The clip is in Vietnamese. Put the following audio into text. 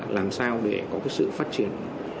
làm sao để có cái sự phát triển